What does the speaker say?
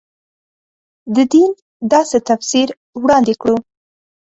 د دین داسې تفسیر وړاندې کړو.